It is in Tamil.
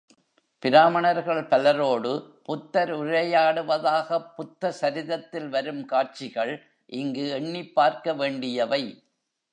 பிராமணர்கள் பலரோடு புத்தர் உரையாடுவதாகப் புத்த சரிதத்தில் வரும் காட்சிகள் இங்கு எண்ணிப்பார்க்க வேண்டியவை.